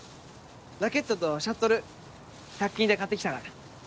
ラケットとシャトル１００均で買ってきたから。